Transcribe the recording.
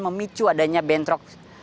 memicu adanya bentrok